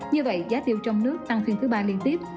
như vậy giá tiêu trong nước tăng phiên thứ ba liên tiếp